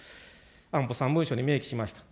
安保３文書に明記しました。